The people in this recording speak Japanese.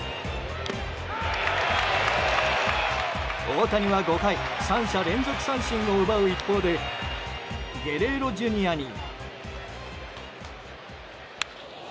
大谷は５回３者連続三振を奪う一方でゲレーロＪｒ．に。